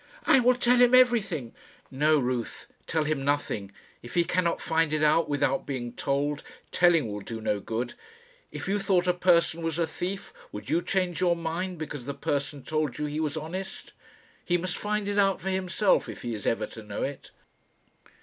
"I will tell him everything." "No, Ruth; tell him nothing. If he cannot find it out without being told, telling will do no good. If you thought a person was a thief, would you change your mind because the person told you he was honest? He must find it out for himself if he is ever to know it."